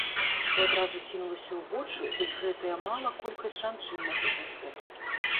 Што адразу кінулася ў вочы, дык гэтая мала колькасць жанчын на гэтым фота.